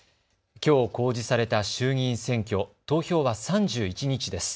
きょう公示された衆議院選挙、投票は３１日です。